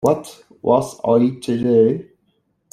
What was I to do?